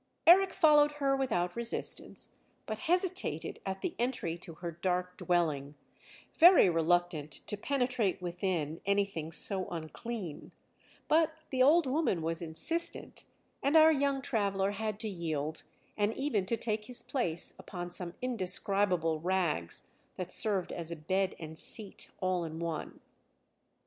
Eric followed her without resistance, but hesitated at the entry to her dark dwelling, very reluctant to penetrate within anything so unclean; but the old woman was insistent, and our young traveller had to yield and even to take his place upon some indescribable rags that served as a bed and seat all in one.